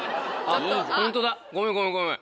ホントだごめんごめんごめん。